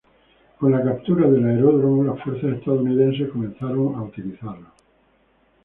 Con la captura del aeródromo, las fuerzas estadounidenses comenzaron a utilizarlo.